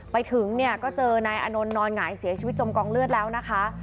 ไปถึงเนี่ยก็เจอนายอานนท์นอนหงายเสียชีวิตจมกองเลือดแล้วนะคะ